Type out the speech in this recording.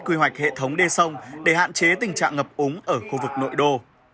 quy hoạch hệ thống đê sông để hạn chế tình trạng ngập úng ở khu vực nội đô